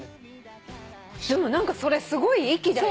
でも何かそれすごい域だよね。